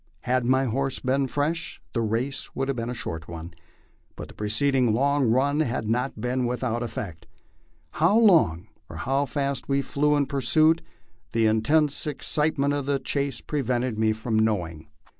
Had my horse been fresh the race would have been a short one, but the preceding long run had not been with out effect. How long or how fast we flew in pursuit, the intense excitemen of the chase prevented me from knowing.